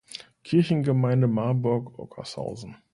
Kirchengemeinde Marburg-Ockershausen.